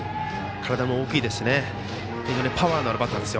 体も大きいですし非常にパワーのあるバッターです。